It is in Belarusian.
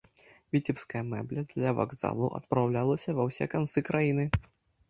Віцебская мэбля для вакзалаў адпраўлялася ва ўсе канцы краіны.